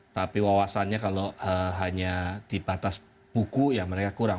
tapi wawasannya kalau hanya di batas buku ya mereka kurang